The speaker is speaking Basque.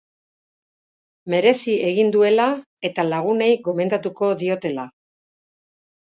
Merezi egin duela eta lagunei gomendatuko diotela.